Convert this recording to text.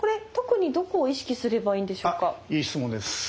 いい質問です。